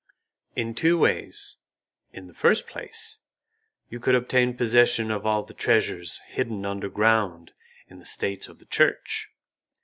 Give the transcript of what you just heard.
"In two ways. In the first place, you could obtain possession of all the treasures hidden under ground in the States of the Church."